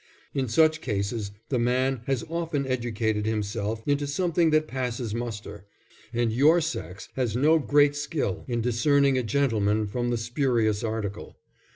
In such cases the man has often educated himself into something that passes muster, and your sex has no great skill in discerning a gentleman from the spurious article.